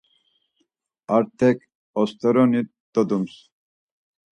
Artek osteroni dodums.